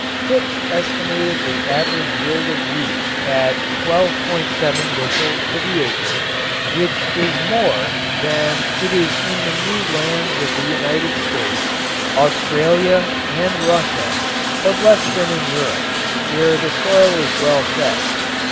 Crookes estimated the average yield of wheat at 12.7 bushels to the acre, which is more than it is in the new lands of the United States, Australia and Russia, but less than in Europe, where the soil is well fed.